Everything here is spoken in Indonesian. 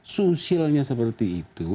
sosialnya seperti itu